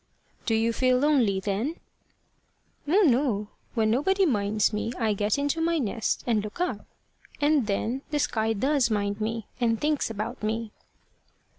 "Do you feel lonely, then?" "Oh, no! When nobody minds me, I get into my nest, and look up. And then the sky does mind me, and thinks about me."